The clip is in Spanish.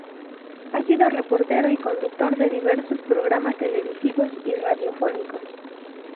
Ha sido reportero y conductor de diversos programas televisivos y radiofónicos.